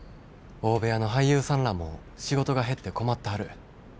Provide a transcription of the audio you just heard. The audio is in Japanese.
大部屋の俳優さんらも仕事が減って困ったはる。